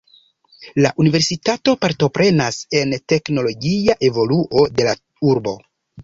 La universitato partoprenas en teknologia evoluo de la urbo.